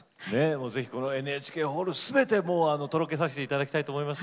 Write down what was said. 是非このＮＨＫホールすべてとろけさせていただきたいと思います。